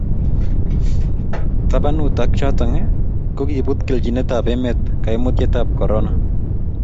tabanut ak choto, kibut kelchinetab emet kaimutietab korona